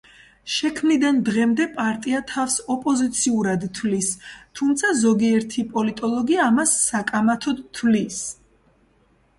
შექმნიდან დღემდე პარტია თავს ოპოზიციურად თვლის, თუმცა ზოგიერთი პოლიტოლოგი ამას საკამათოდ თვლის.